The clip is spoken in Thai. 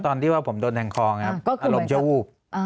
ก็ตอนที่ว่าผมโดนแทงคออารมณ์เจ้าอูบ